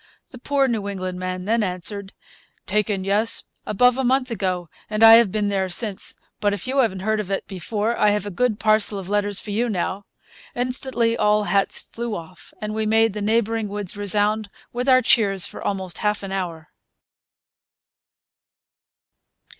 The poor New England man then answered: 'Taken, yes, above a month ago; and I have been there since; but if you haven't heard of it before, I have a good parcel of letters for you now.' Instantly all hats flew off, and we made the neighbouring woods resound with our cheers for almost half an hour.